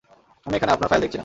আমি এখানে আপনার ফাইল দেখছি না।